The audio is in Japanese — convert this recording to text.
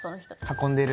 運んでる。